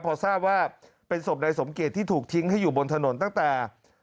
พอทราบว่าเป็นศพนายสมเกียจที่ถูกทิ้งให้อยู่บนถนนตั้งแต่